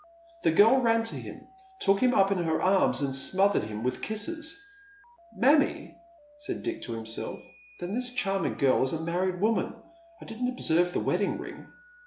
The girl ran to him, took him up in her arms, and smothered him with kisses. " Mammie !" said Dick to himself. " Then this charming girl is a married woman ! I didn't observe the wedding iing."